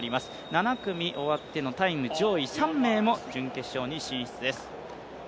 ７組終わってのタイム上位３名も準決勝に進出です。